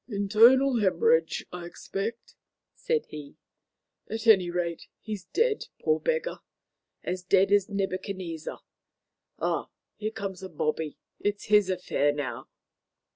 "Internal hæmorrhage, I expect," said he. "At any rate, he's dead, poor beggar! as dead as Nebuchadnezzar. Ah! here comes a bobby; it's his affair now."